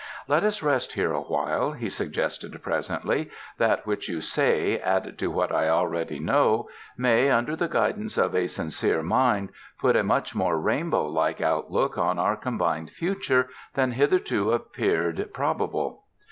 "Let us rest here a while," he suggested presently. "That which you say, added to what I already know, may, under the guidance of a sincere mind, put a much more rainbow like outlook on our combined future than hitherto appeared probable."